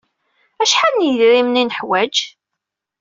Acḥal n yedrimen ay neḥwaj?